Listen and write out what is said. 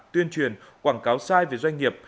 tuyên truyền quảng cáo sai về doanh nghiệp